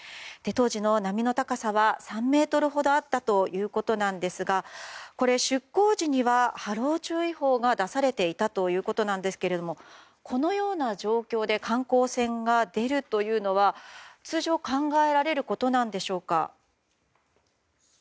当時の波の高さは３ｍほどあったということですが出港時には波浪注意報が出されていたということなんですけれどもこのような状況で観光船が出るというのは通常考えられることなんでしょうか？